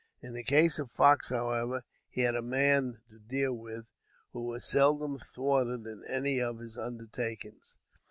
In the case of Fox, however, he had a man to deal with who was seldom thwarted in any of his undertakings.